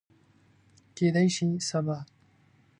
کیدای شي سبا